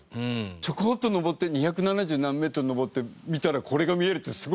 ちょこっと登って二百七十何メートル登って見たらこれが見えるってすごいね！